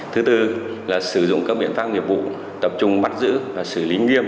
thứ tư là sử dụng các biện pháp nghiệp vụ tập trung bắt giữ và xử lý nghiêm